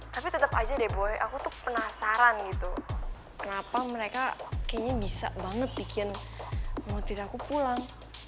tapi tetep aja deh boya aku tuh penasaran gitu kenapa mereka kayaknya bisa banget bikin mama tiri aku pulang